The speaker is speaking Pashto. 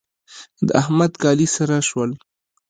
د احمد کالي سره شول.